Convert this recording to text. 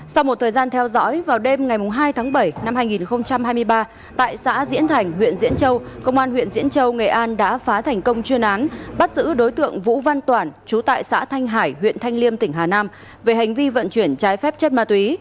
sau một thời gian theo dõi vào đêm ngày hai tháng bảy năm hai nghìn hai mươi ba tại xã diễn thành huyện diễn châu công an huyện diễn châu nghệ an đã phá thành công chuyên án bắt giữ đối tượng vũ văn toản chú tại xã thanh hải huyện thanh liêm tỉnh hà nam về hành vi vận chuyển trái phép chất ma túy